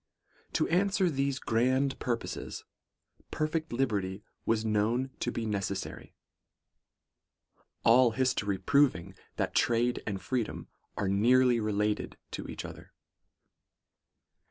' To answer these grand purposes, perfect liberty was known to be necessary; all history proving, that trade and freedom are nearly related to each other.